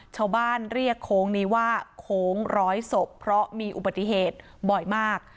ชาวบ้านเรียกโค้งนี้ว่าโค้งร้อยศพเพราะมีอุบัติเหตุบ่อยมาก